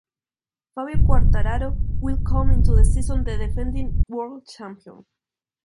Fabio Quartararo will come into the season the defending world champion.